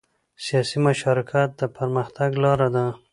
سیاسي مشارکت د پرمختګ لاره ده